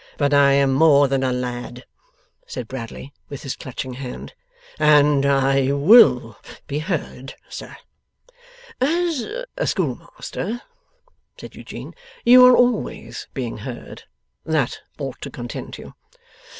'But I am more than a lad,' said Bradley, with his clutching hand, 'and I WILL be heard, sir.' 'As a schoolmaster,' said Eugene, 'you are always being heard. That ought to content you.